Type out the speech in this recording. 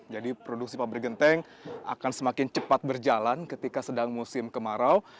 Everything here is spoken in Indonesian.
jadi produksi pabrik genteng akan semakin cepat berjalan ketika sedang musim kemarau